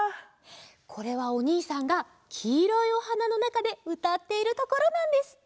これはおにいさんがきいろいおはなのなかでうたっているところなんですって。